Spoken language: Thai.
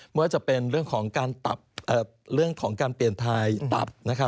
ว่าจะเป็นเรื่องของการตับเรื่องของการเปลี่ยนทายตับ